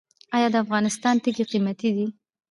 آیا د افغانستان تیږې قیمتي دي؟